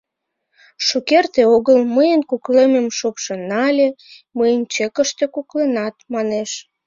Шукерте огыл мыйын куклемем шупшын нале: «Мыйын чекыште кукленат», — манеш.